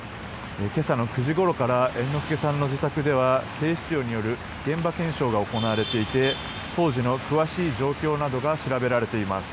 今朝の９時ごろから猿之助さんの自宅では警視庁による現場検証が行われていて当時の詳しい状況などが調べられています。